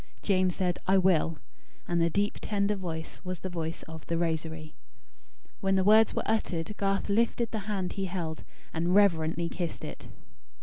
Jane said: "I will"; and the deep, tender voice, was the voice of The Rosary. When the words were uttered, Garth lifted the hand he held, and reverently kissed it.